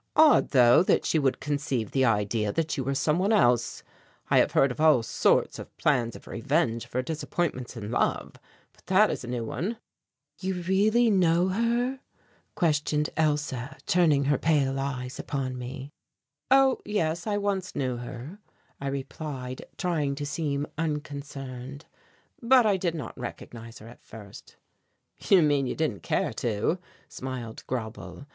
"Odd, though, that she would conceive that idea that you were some one else. I have heard of all sorts of plans of revenge for disappointments in love, but that is a new one." "You really know her?" questioned Elsa, turning her pale eyes upon me. "Oh, yes, I once knew her," I replied, trying to seem unconcerned; "but I did not recognize her at first." "You mean you didn't care to," smiled Grauble.